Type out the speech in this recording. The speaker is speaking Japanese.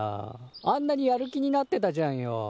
あんなにやる気になってたじゃんよ。